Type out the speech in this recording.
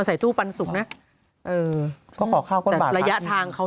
สมุดประการก็ต้องวิ่งเส้นเก่า